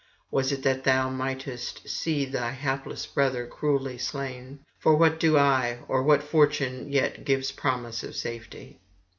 was it that thou mightest see thy hapless brother cruelly slain? for what do I, or what fortune yet gives promise of safety?